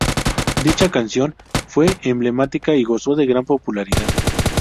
Dicha canción fue emblemática y gozó de gran popularidad.